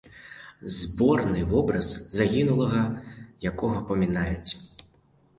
Зборны вобраз загінулага, якога памінаюць.